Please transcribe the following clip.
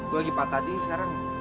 gue lagi patah tadi sekarang